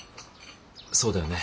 そうだよね？